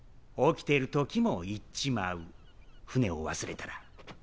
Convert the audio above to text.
起きてる時も行っちまう船を忘れたら。